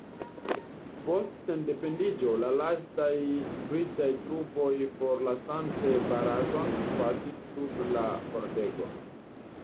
Post sendependiĝo, la lastaj britaj trupoj forlasante Baraton pasis sub la pordego.